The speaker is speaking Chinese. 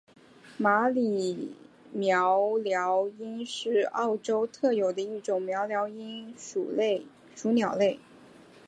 马里鹋鹩莺是澳洲特有的一种鹋鹩莺属鸟类。